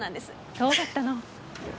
そうだったの。